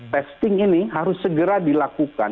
testing ini harus segera dilakukan